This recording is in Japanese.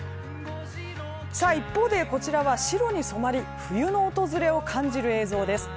一方で、こちらは白に染まり冬の訪れを感じる映像です。